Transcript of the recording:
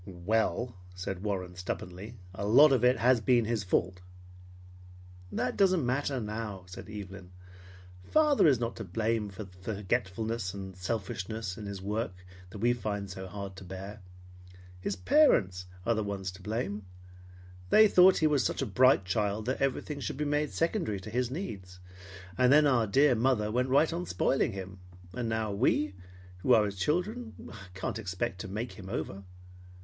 "Well, " said Warren stubbornly, "a lot of it has been his fault." "That doesn't matter now," said Evelyn. "Father is not to blame for the forgetfulness and selfishness in his work that we find so hard to bear. His parents are the ones to blame. They thought because he was such a bright child that everything should be made secondary to his needs. And then our dear mother went right on spoiling him. So now we, who are his children, can't expect to make him over.